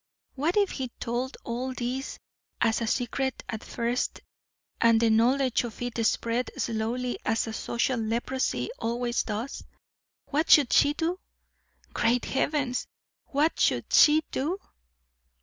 What if he told all this as a secret at first, and the knowledge of it spread slowly, as a social leprosy always does. What should she do? Great heavens! what should she do?